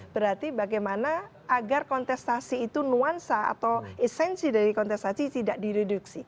berarti bagaimana agar kontestasi itu nuansa atau esensi dari kontestasi tidak direduksi